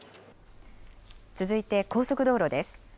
続いて高速道路です。